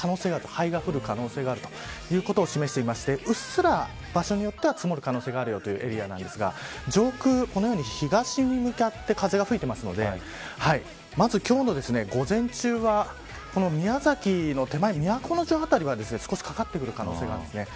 灰が降る可能性があることを示していてうっすら場所によっては積もる可能性があるというエリアですが上空、このように東に向かって風が吹いているのでまず今日の午前中は宮崎の手前、都城辺りは少しかかってくる可能性があります。